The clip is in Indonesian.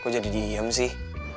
kok jadi diem sih